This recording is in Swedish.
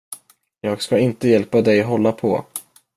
Jag ska inte hjälpa dig hålla på.